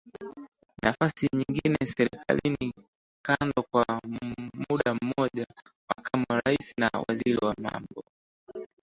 nafasi nyingine serikalini kando kwa mudamoja Makamu wa Rais na waziri wa mambo